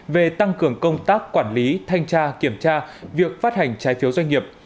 về tăng cường công tác quản lý thanh tra kiểm tra việc phát hành trái phiếu doanh nghiệp